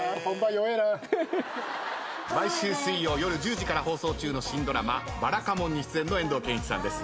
毎週水曜夜１０時から放送中の新ドラマ『ばらかもん』に出演の遠藤憲一さんです。